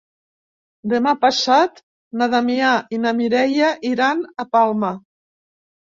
Demà passat na Damià i na Mireia iran a Palma.